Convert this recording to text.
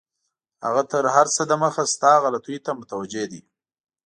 هغه تر هر څه دمخه ستا غلطیو ته متوجه دی.